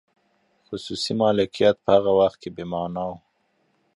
خصوصي مالکیت په هغه وخت کې بې مانا و.